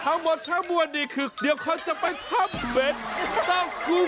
ทั้งหมดทั้งมวลดีคือเดี๋ยวเขาจะไปทำเวทตั้งคลุมต่อ